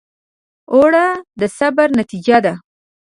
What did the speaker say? اوړه د صبر نتیجه ده